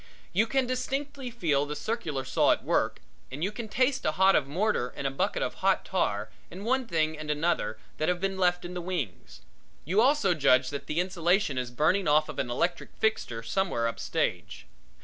You can distinctly feel the circular saw at work and you can taste a hod of mortar and a bucket of hot tar and one thing and another that have been left in the wings. You also judge that the insulation is burning off of an electric fixture somewhere up stage.